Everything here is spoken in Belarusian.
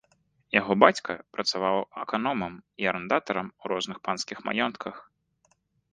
Яго бацька працаваў аканомам і арандатарам у розных панскіх маёнтках.